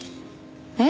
えっ？